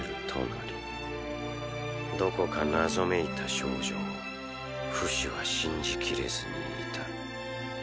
どこか謎めいた少女をフシは信じ切れずにいた。